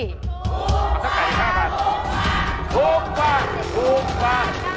ถูกกว่า๒๕บาท